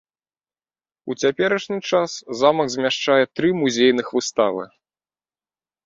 У цяперашні час замак змяшчае тры музейных выставы.